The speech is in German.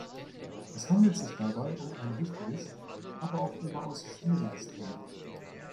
Es handelt sich dabei um ein wichtiges, aber auch überaus schwieriges Thema.